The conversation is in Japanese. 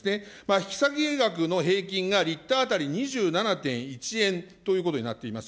引き下げ額の平均がリッター当たり２７．１円となっております。